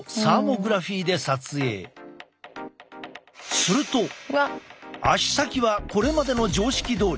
すると足先はこれまでの常識どおり。